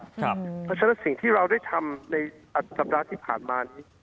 เพราะฉะนั้นสิ่งที่เราได้ทำในสัปดาห์ที่ผ่านมานี้